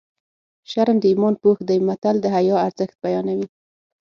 شرم د ایمان پوښ دی متل د حیا ارزښت بیانوي